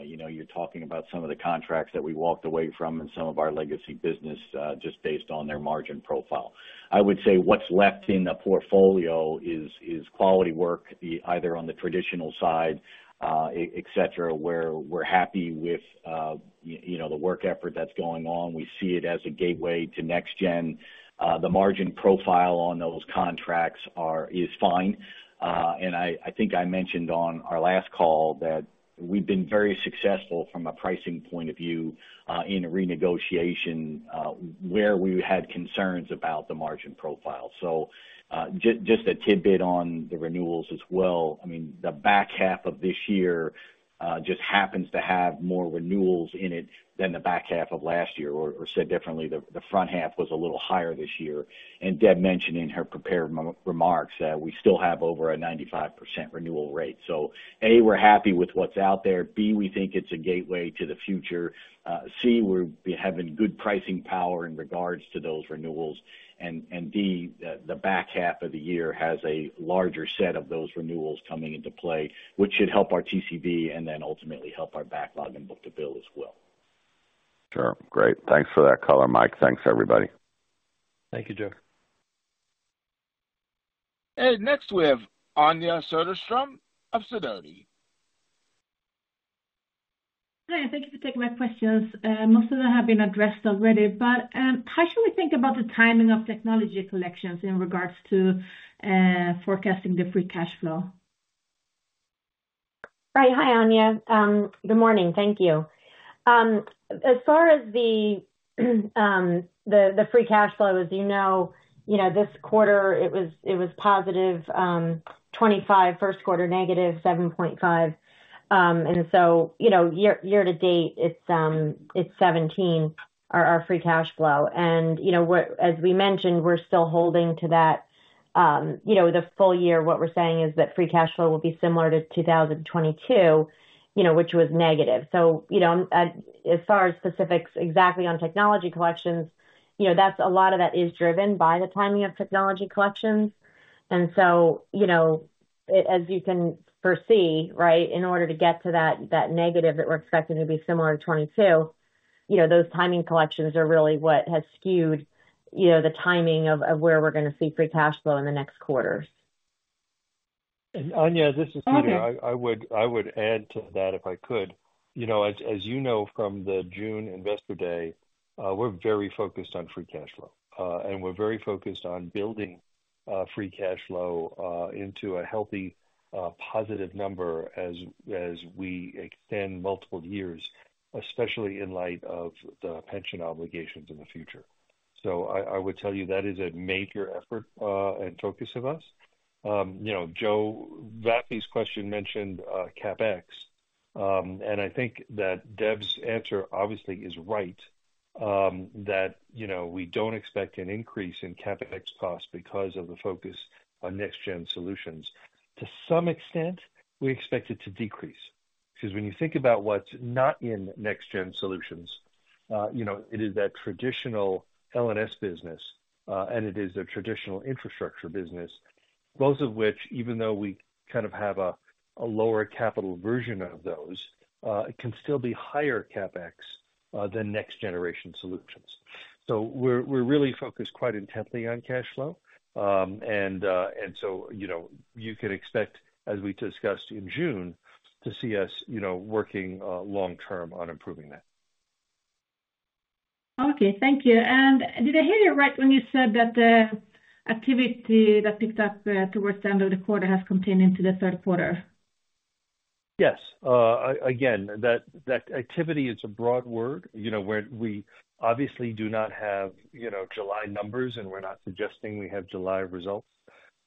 you know, you're talking about some of the contracts that we walked away from in some of our legacy business, just based on their margin profile. I would say what's left in the portfolio is, is quality work, either on the traditional side, et cetera, where we're happy with, you know, the work effort that's going on. We see it as a gateway to next gen. The margin profile on those contracts are, is fine. ned on our last call that we've been very successful from a pricing point of view in a renegotiation where we had concerns about the margin profile. Just a tidbit on the renewals as well. I mean, the back half of this year just happens to have more renewals in it than the back half of last year, or said differently, the front half was a little higher this year. Deb mentioned in her prepared remarks that we still have over a 95% renewal rate. So, A, we're happy with what's out there. B, we think it's a gateway to the future. C, we're having good pricing power in regards to those renewals. And D, back half of the year has a larger set of those renewals coming into play, which should help our TCV and then ultimately help our backlog and book-to-bill as well. Sure. Great. Thanks for that color, Mike. Thanks, everybody. Thank you, Joe. Next, we have Anja Soderstrom of Sidoti. Hi. Thank you for taking my questions. Most of them have been addressed already, but how should we think about the timing of technology collections in regards to forecasting the free cash flow? Right. Hi, Anja. Good morning. Thank you. As far as the, the, the free cash flow, as you know, you know, this quarter, it was, it was positive, $25, first quarter, negative $7.5. You know, year, year to date, it's, it's $17, our, our free cash flow. You know, we're-- as we mentioned, we're still holding to that, you know, the full year, what we're saying is that free cash flow will be similar to 2022, you know, which was negative. You know, as far as specifics, exactly on technology collections, you know, that's a lot of that is driven by the timing of technology collections. You know, as you can foresee, right, in order to get to that, that negative that we're expecting to be similar to 2022, you know, those timing collections are really what has skewed, you know, the timing of, of where we're going to see free cash flow in the next quarters. Anja, this is Peter. Okay. I, I would, I would add to that, if I could. You know, as, as you know, from the June Investor Day, we're very focused on free cash flow, and we're very focused on building free cash flow into a healthy, positive number as, as we extend multiple years, especially in light of the pension obligations in the future. I, I would tell you that is a major effort and focus of us. You know, Joseph Vafi's question mentioned CapEx, and I think that Deb McCann's answer obviously is right, that, you know, we don't expect an increase in CapEx costs because of the focus on Next-Gen Solutions. To some extent, we expect it to decrease, because when you think about what's not in Next-Gen Solutions, you know, it is that traditional L&S business, and it is a traditional infrastructure business, both of which, even though we kind of have a, a lower capital version of those, it can still be higher CapEx than Next-Gen Solutions. We're really focused quite intently on cash flow. You know, you can expect, as we discussed in June, to see us, you know, working long term on improving that. Okay, thank you. Did I hear you right when you said that the activity that picked up, towards the end of the quarter has continued into the third quarter? Yes. Again, that, that activity is a broad word, you know, where we obviously do not have, you know, July numbers, and we're not suggesting we have July results.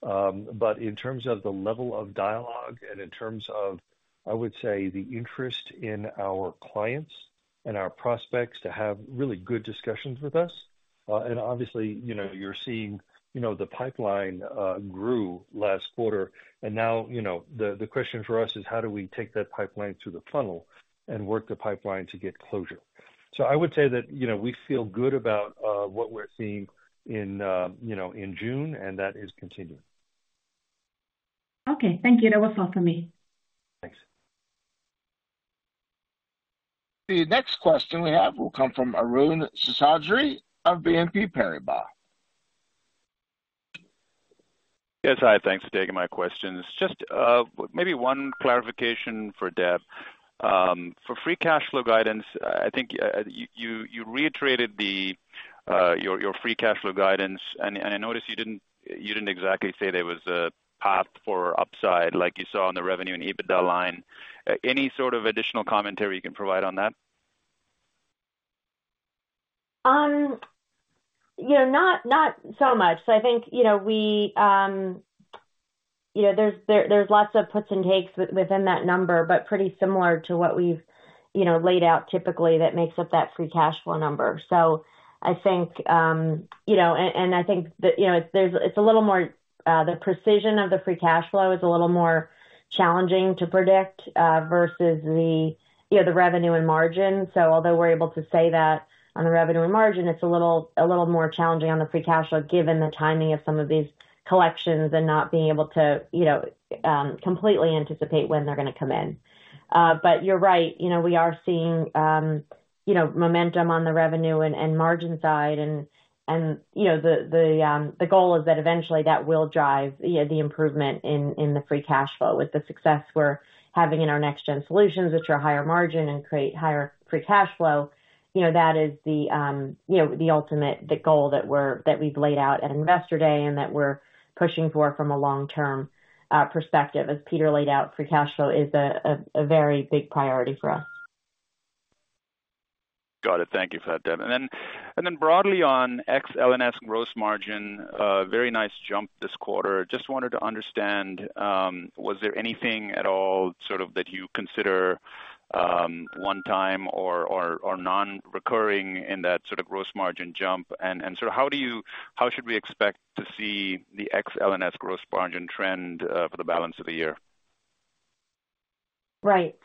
But in terms of the level of dialogue and in terms of, I would say, the interest in our clients and our prospects to have really good discussions with us, and obviously, you know, you're seeing, you know, the pipeline, grew last quarter. Now, you know, the, the question for us is, how do we take that pipeline through the funnel and work the pipeline to get closure? I would say that, you know, we feel good about, what we're seeing in, you know, in June, and that is continuing. Okay, thank you. That was all for me. Thanks. The next question we have will come from Arun Seshadri of BNP Paribas. Yes, hi. Thanks for taking my questions. Just, maybe one clarification for Deb. For free cash flow guidance, I think, you, you reiterated the, your, your free cash flow guidance, and I noticed you didn't, you didn't exactly say there was a path for upside like you saw on the revenue and EBITDA line. Any sort of additional commentary you can provide on that?... you know, not, not so much. I think, you know, we, you know, there's, there's, there's lots of puts and takes within that number, but pretty similar to what we've, you know, laid out typically that makes up that free cash flow number. I think, you know, and, and I think that, you know, it's, there's a little more, the precision of the free cash flow is a little more challenging to predict, versus the, you know, the revenue and margin. Although we're able to say that on the revenue and margin, it's a little, a little more challenging on the free cash flow, given the timing of some of these collections and not being able to, you know, completely anticipate when they're going to come in. You're right, you know, we are seeing, you know, momentum on the revenue and, and margin side. And, you know, the, the, the goal is that eventually that will drive, you know, the improvement in, in the free cash flow. With the success we're having in our Next-Gen Solutions, which are higher margin and create higher free cash flow, you know, that is the, you know, the ultimate, the goal that we've laid out at Investor Day and that we're pushing for from a long-term perspective. As Peter laid out, free cash flow is a, a, a very big priority for us. Got it. Thank you for that, Deb. Then, broadly on Ex-L&S gross margin, a very nice jump this quarter. Just wanted to understand, was there anything at all sort of that you consider one time or, or, or non-recurring in that sort of gross margin jump? So how should we expect to see the Ex-L&S gross margin trend for the balance of the year? Right.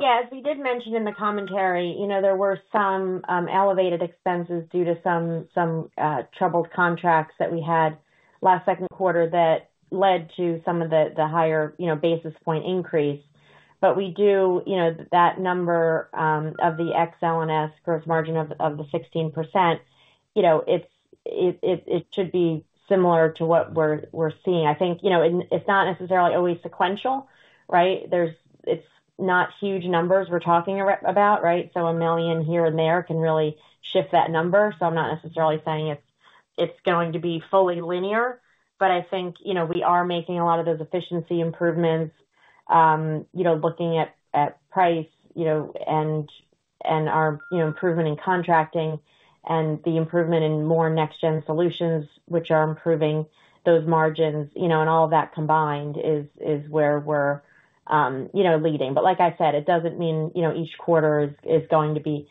Yeah, as we did mention in the commentary, you know, there were some elevated expenses due to some troubled contracts that we had last second quarter that led to some of the higher, you know, basis point increase. We do, you know, that number, of the Ex-L&S gross margin of the 16%, you know, it's, it, it, it should be similar to what we're, we're seeing. I think, you know, and it's not necessarily always sequential, right? It's not huge numbers we're talking about, right? $1 million here and there can really shift that number. I'm not necessarily saying it's, it's going to be fully linear, but I think, you know, we are making a lot of those efficiency improvements. you know, looking at, at price, you know, and, and our, you know, improvement in contracting and the improvement in more Next-Gen Solutions, which are improving those margins, you know, and all of that combined is, is where we're, you know, leading. Like I said, it doesn't mean, you know, each quarter is, is going to be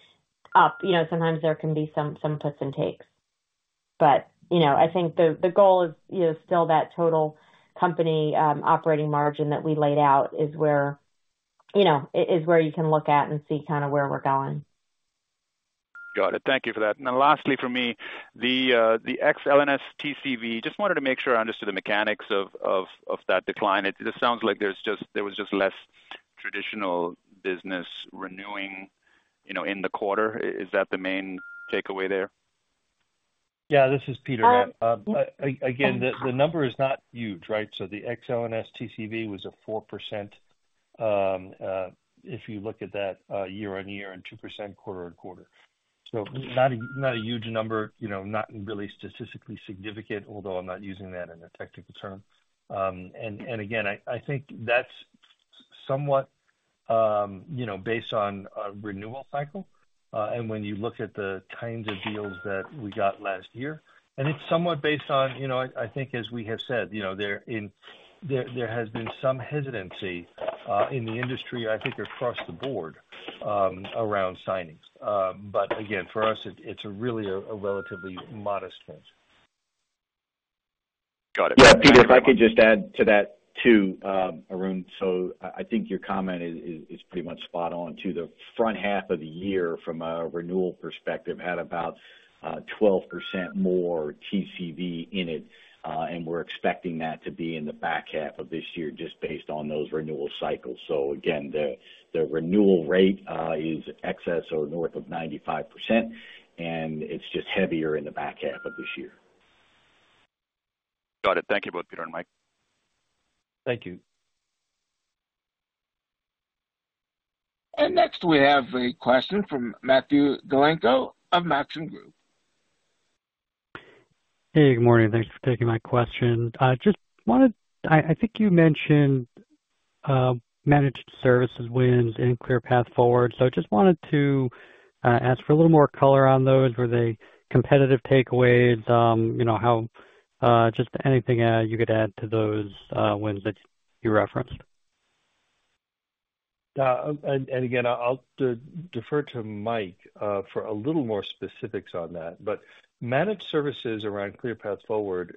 up. You know, sometimes there can be some, some puts and takes. you know, I think the, the goal is, you know, still that total company, operating margin that we laid out is where, you know, is where you can look at and see kind of where we're going. Got it. Thank you for that. Lastly for me, the Ex-L&S TCV, just wanted to make sure I understood the mechanics of that decline. It just sounds like there was just less traditional business renewing, you know, in the quarter. Is that the main takeaway there? Yeah, this is Peter. Again, the number is not huge, right? The Ex-L&S TCV was a 4%, if you look at that, year-over-year and 2% quarter-over-quarter. It's not a, not a huge number, you know, not really statistically significant, although I'm not using that in a technical term. Again, I think that's somewhat, you know, based on a renewal cycle, and when you look at the kinds of deals that we got last year. It's somewhat based on, you know, I think as we have said, you know, there, there has been some hesitancy in the industry, I think across the board, around signings. Again, for us, it's really a relatively modest change. Got it. Yeah, Peter, if I could just add to that too, Arun. I, I think your comment is, is, is pretty much spot on, too. The front half of the year, from a renewal perspective, had about 12% more TCV in it, and we're expecting that to be in the back half of this year, just based on those renewal cycles. Again, the, the renewal rate, is excess or north of 95%, and it's just heavier in the back half of this year. Got it. Thank you both, Peter and Mike. Thank you. Next, we have a question from Matthew Galinko of Maxim Group. Hey, good morning. Thanks for taking my question. I think you mentioned managed services wins in ClearPath Forward. I just wanted to ask for a little more color on those. Were they competitive takeaways? You know, how, just anything, you could add to those wins that you referenced? Again, I'll defer to Mike for a little more specifics on that. Managed services around ClearPath Forward,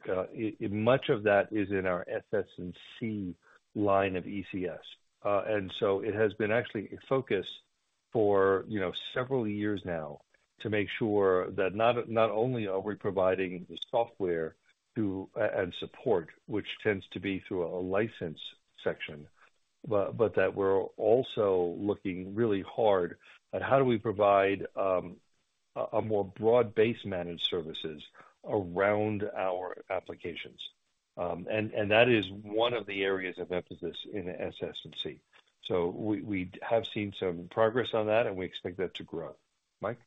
much of that is in our SS&C line of ECS. It has been actually a focus for, you know, several years now to make sure that not, not only are we providing the software to, and support, which tends to be through a license section, but that we're also looking really hard at how do we provide a more broad-based managed services around our applications. That is one of the areas of emphasis in SS&C. We, we have seen some progress on that, and we expect that to grow. Mike? ...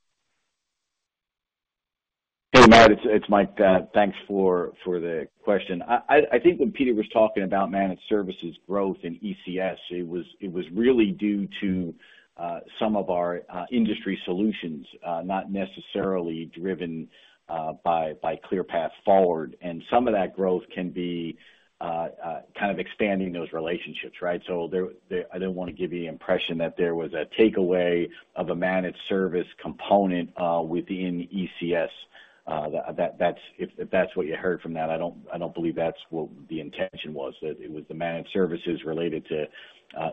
Hey, Matt, it's Mike. Thanks for the question. I, I, I think when Peter was talking about managed services growth in ECS, it was really due to some of our industry solutions, not necessarily driven by ClearPath Forward. Some of that growth can be kind of expanding those relationships, right? I didn't want to give you the impression that there was a takeaway of a managed service component within ECS. That's, if that's what you heard from that, I don't believe that's what the intention was. That it was the managed services related to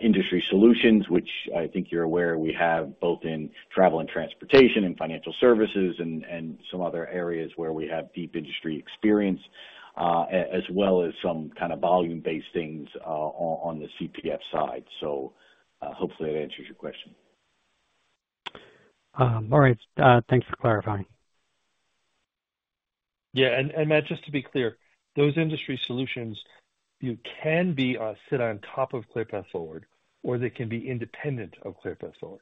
industry solutions, which I think you're aware we have both in travel and transportation and financial services and, and some other areas where we have deep industry experience, as well as some kind of volume-based things on the CPS side. Hopefully that answers your question. All right. Thanks for clarifying. Yeah, Matt, just to be clear, those industry solutions, you can sit on top of ClearPath Forward, or they can be independent of ClearPath Forward.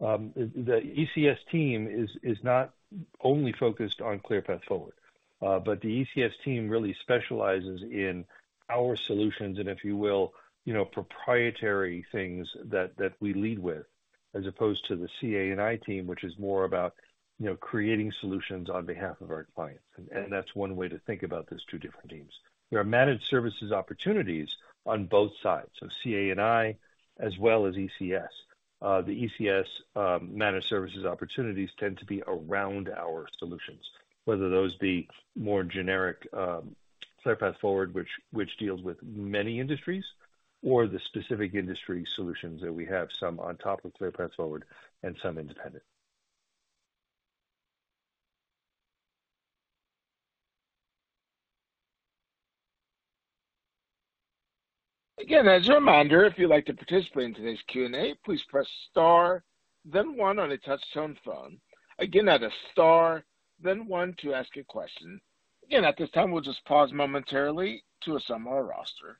The ECS team is not only focused on ClearPath Forward, the ECS team really specializes in our solutions, and if you will, you know, proprietary things that, that we lead with, as opposed to the CA&I team, which is more about, you know, creating solutions on behalf of our clients. That's one way to think about those two different teams. There are managed services opportunities on both sides, so CA&I as well as ECS. The ECS managed services opportunities tend to be around our solutions, whether those be more generic, ClearPath Forward, which deals with many industries or the specific industry solutions that we have, some on top of ClearPath Forward and some independent. Again, as a reminder, if you'd like to participate in today's Q&A, please press star then one on a touchtone phone. Again, that is star then one to ask a question. Again, at this time, we'll just pause momentarily to assemble our roster.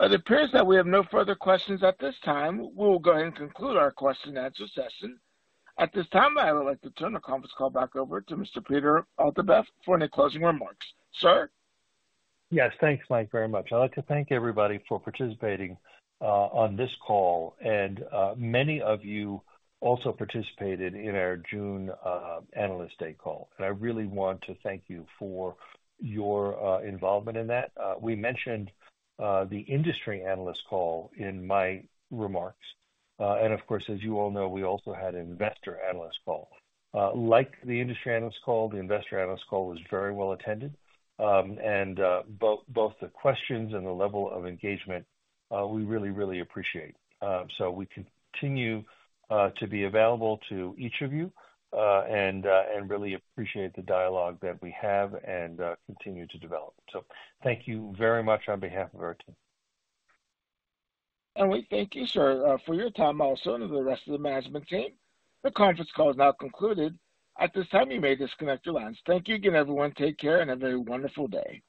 It appears that we have no further questions at this time. We'll go ahead and conclude our question and answer session. At this time, I would like to turn the conference call back over to Mr. Peter Altabef for any closing remarks. Sir? Yes. Thanks, Mike, very much. I'd like to thank everybody for participating on this call, and many of you also participated in our June Analyst Day call. I really want to thank you for your involvement in that. We mentioned the industry analyst call in my remarks. Of course, as you all know, we also had an investor analyst call. Like the industry analyst call, the investor analyst call was very well attended, and both, both the questions and the level of engagement, we really, really appreciate. We continue to be available to each of you, and and really appreciate the dialogue that we have and continue to develop. Thank you very much on behalf of our team. We thank you, sir, for your time also, and the rest of the management team. The conference call is now concluded. At this time, you may disconnect your lines. Thank you again, everyone. Take care, and have a wonderful day.